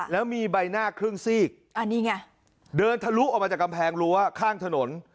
แล้วมีใบหน้าครึ่งซีกอันนี้ไงเดินทะลุออกมาจากกำแพงรั้วข้างถนน